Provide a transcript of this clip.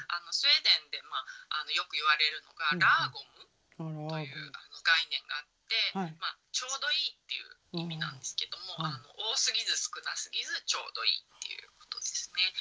スウェーデンってまあよく言われるのが「Ｌａｇｏｍ」という概念があってちょうどいいっていう意味なんですけども多すぎず少なすぎずちょうどいいっていうことですね。